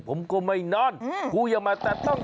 ผมก็ไม่นอนครูอย่ามาแต่ต้อง